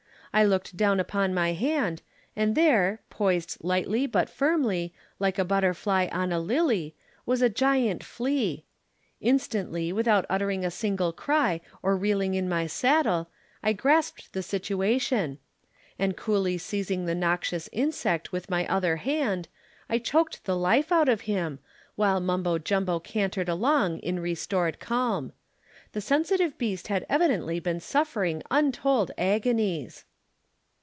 I looked down upon my hand, and there, poised lightly yet firmly, like a butterfly on a lily, was a giant flea. Instantly, without uttering a single cry or reeling in my saddle, I grasped the situation; and coolly seizing the noxious insect with my other hand, I choked the life out of him, while Mumbo Jumbo cantered along in restored calm. The sensitive beast had evidently been suffering untold agonies.'"